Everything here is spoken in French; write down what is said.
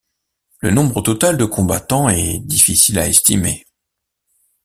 Le nombre total de combattants est difficile à estimer.